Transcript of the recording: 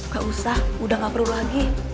gak usah udah gak perlu lagi